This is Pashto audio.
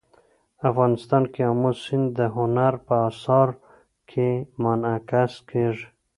افغانستان کې آمو سیند د هنر په اثار کې منعکس کېږي.